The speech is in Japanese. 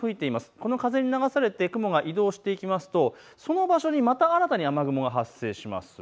この風に流されて雲が移動していきますとその場所にまた新たな雨雲が発生します。